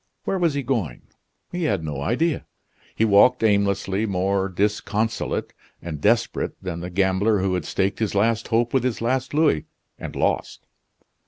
Where was he going? He had no idea. He walked aimlessly, more disconsolate and desperate than the gambler who had staked his last hope with his last louis, and lost.